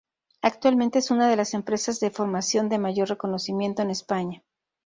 Actualmente es una de las empresas de formación de mayor reconocimiento en España.